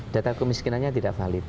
data kemiskinannya tidak valid